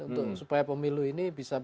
untuk supaya pemilu ini bisa